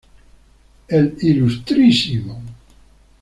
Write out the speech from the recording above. El Ilmo.